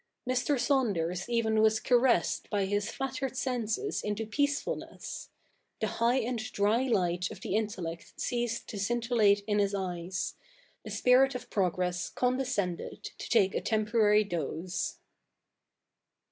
Mr. Saunders even was caressed by his flattered senses into peacefulness ; the high and dry light of the intellect ceased to scintillate in his eyes ; the spirit of progress condescended to take a temporary doze.